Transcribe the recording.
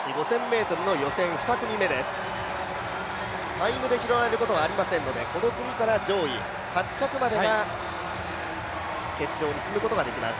タイムで拾われることはありませんので、この組から上位８着までが決勝に進むことができます。